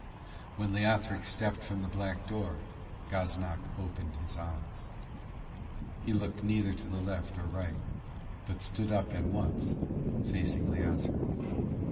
When Leothric stepped from the black door, Gaznak opened his eyes. He looked neither to left nor right, but stood up at once facing Leothric.